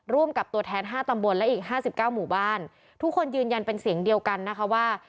ร่วมกับตัวแทนห้าตำบลและอีกห้าสิบเก้าหมู่บ้านทุกคนยืนยันเป็นเสียงเดียวกันนะคะว่า